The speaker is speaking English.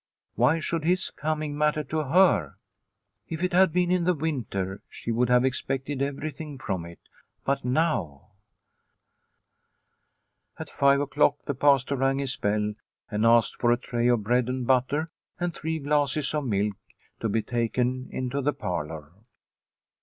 Why should his coming matter to her ? If it had been in the winter she would have expected everything from it, but now ... At five o'clock the Pastor rang his bell and asked for a tray of bread and butter and three glasses of milk to be taken into the parlour.